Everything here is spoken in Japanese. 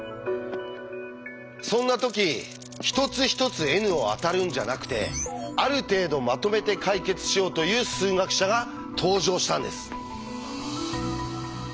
そんな時一つ一つｎを当たるんじゃなくてある程度まとめて解決しようという数学者が登場したんです。